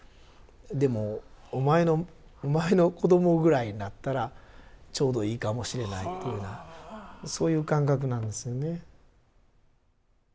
「でもお前の子供ぐらいになったらちょうどいいかもしれない」というようなそういう感覚なんですよね。